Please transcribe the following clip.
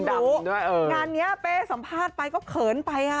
งานนี้เป้สัมภาษณ์ไปก็เขินไปอ่ะ